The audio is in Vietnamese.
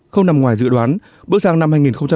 không nằm ngoài dự đoán bước sang năm hai nghìn một mươi tám